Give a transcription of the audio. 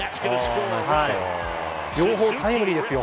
両方タイムリーですよ。